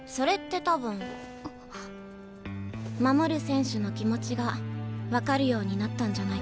守る選手の気持ちが分かるようになったんじゃないか？